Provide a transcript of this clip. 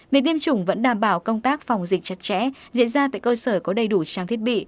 việc tiêm chủng vẫn đảm bảo công tác phòng dịch chặt chẽ diễn ra tại cơ sở có đầy đủ trang thiết bị